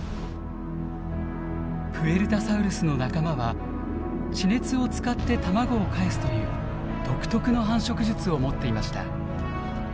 プエルタサウルスの仲間は地熱を使って卵をかえすという独特の繁殖術を持っていました。